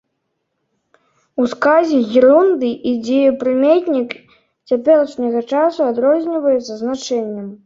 У сказе герундый і дзеепрыметнік цяперашняга часу адрозніваюцца значэннем.